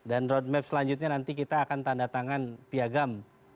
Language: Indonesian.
dan road map selanjutnya nanti kita akan tanda tangan piagam